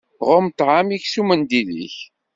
Ɣumm ṭṭɛam-ik s umendil-ik!